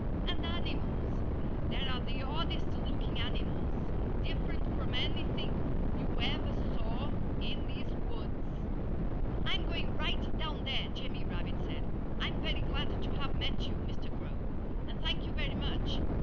And animals! There are the oddest looking animals different from anything you ever saw in these woods." "I'm going right down there," Jimmy Rabbit said. "I'm very glad to have met you, Mr. Crow. And thank you, very much!"